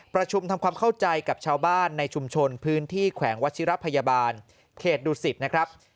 ประชุมทำความเข้าใจกับชาวบ้านในชุมชนพื้นที่แขวงวัชิระพยาบาลเขตดุสิตนะครับ